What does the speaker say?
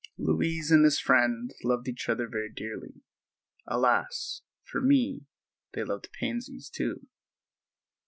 Louise and this friend loved each other very dearly. Alas! for me, they loved pansies, too.